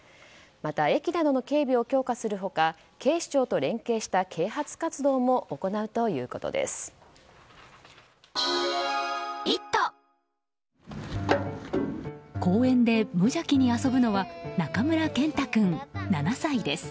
また、駅での警備を強化する他警視庁と連携した啓発活動も行うということです。